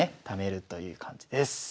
ためるという感じです。